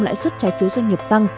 lãi suất trái phiếu doanh nghiệp tăng